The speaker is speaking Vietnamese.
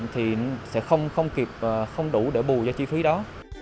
thì sẽ không đủ để bù cho chi phí đó